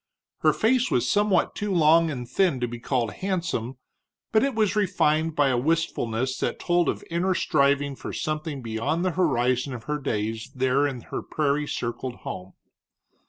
Her face was somewhat too long and thin to be called handsome, but it was refined by a wistfulness that told of inner striving for something beyond the horizon of her days there in her prairie circled home.